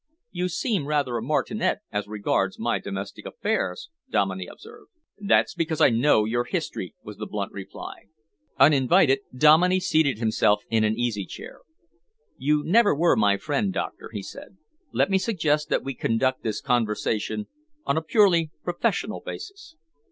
"You seem rather a martinet as regards my domestic affairs," Dominey observed. "That's because I know your history," was the blunt reply. Uninvited Dominey seated himself in an easy chair. "You were never my friend, Doctor," he said. "Let me suggest that we conduct this conversation on a purely professional basis."